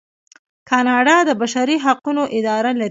کاناډا د بشري حقونو اداره لري.